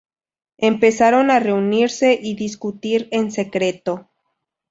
Empezaron a reunirse y discutir en secreto.